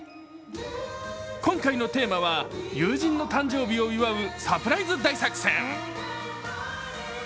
今回のテーマは友人の誕生日を祝うサプライズ大作戦。